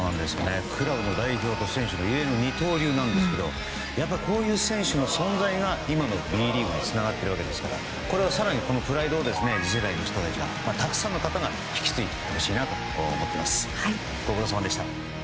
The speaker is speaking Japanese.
クラブの代表と選手という異例の二刀流ですけどこういう選手の存在が今のＢリーグにつながってるわけですから更にこのプライドを次世代のたくさんの方が引き継いでほしいなと思っています。